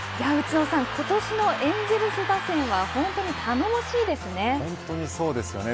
今年のエンゼルス打線は本当に頼もしいですね。